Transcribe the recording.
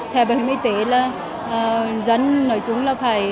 theo bảo hiểm y tế là dân nói chúng là phải